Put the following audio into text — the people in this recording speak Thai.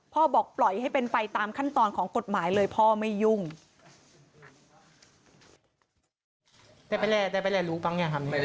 บอกปล่อยให้เป็นไปตามขั้นตอนของกฎหมายเลยพ่อไม่ยุ่ง